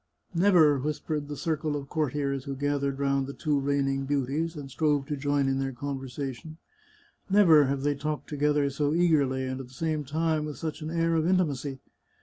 " Never," whispered the circle of courtiers who gathered round the two reigning beauties, and strove to join in their conversation, " never have they talked together so eagerly, and at the same time with such an air of intimacy.